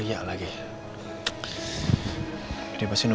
tidak ada yang bisa dikira